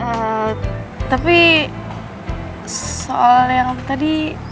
eee tapi soal yang tadi